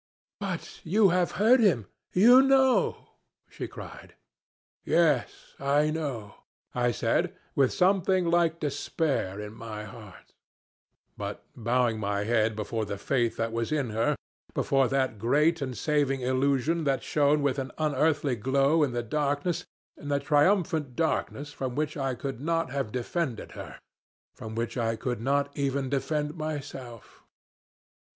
'But you have heard him! You know!' she cried. "'Yes, I know,' I said with something like despair in my heart, but bowing my head before the faith that was in her, before that great and saving illusion that shone with an unearthly glow in the darkness, in the triumphant darkness from which I could not have defended her from which I could not even defend myself.